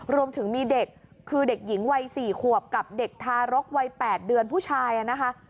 รวมถึงมีเด็กคือเด็กหญิงวัย๔ขวบกับเด็กทารกวัย๘เดือนผู้ชายนะคะ